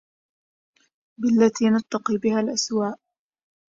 بالتي نتَّقي بها الأَسواءَ